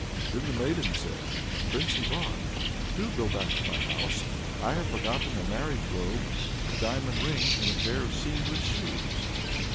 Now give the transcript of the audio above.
Then the maiden said, "Prince Ivan! do go back to my house. I have forgotten a marriage robe, a diamond ring, and a pair of seamless shoes."